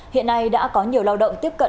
hiện nay đã có nhiều lao động tiếp cận